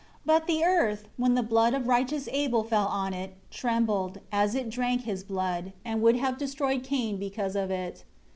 9 But the earth, when the blood of righteous Abel fell on it, trembled, as it drank his blood, and would have destroyed Cain because of it.